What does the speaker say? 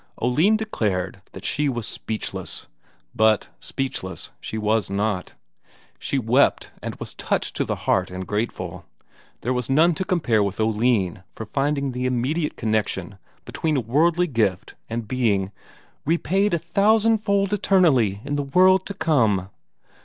Oline declared that she was speechless, but speechless she was not; she wept and was touched to the heart and grateful; there was none to compare with Oline for finding the immediate connection between a worldly gift and being "repaid a thousandfold eternally in the world to come."